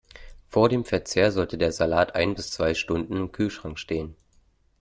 Vor dem Verzehr sollte der Salat ein bis zwei Stunden im Kühlschrank stehen.